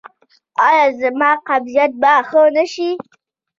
ایا زما قبضیت به ښه شي؟